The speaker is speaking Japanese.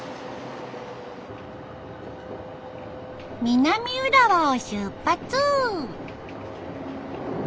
南浦和を出発！